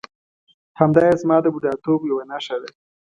همدایې زما د بوډاتوب یوه نښه ده.